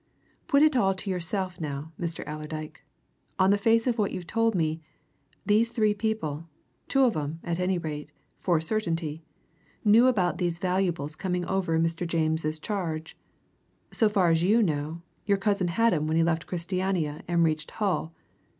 Put it all to yourself now, Mr. Allerdyke on the face of what you've told me, these three people two of 'em, at any rate, for a certainty knew about these valuables coming over in Mr. James's charge. So far as you know, your cousin had 'em when he left Christiania and reached Hull.